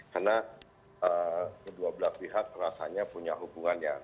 karena kedua belah pihak rasanya punya hubungannya